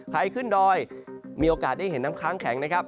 ใครขึ้นดอยมีโอกาสได้เห็นน้ำค้างแข็งนะครับ